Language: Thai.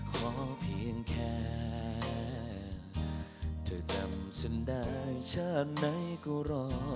ขอเพียงแค่เธอจำฉันได้ชาติไหนก็รอ